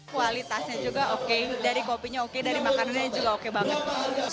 kualitasnya juga oke dari kopinya oke dari makanannya juga oke banget